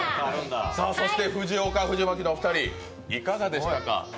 そして藤岡藤巻のお二人、いかがでしたか？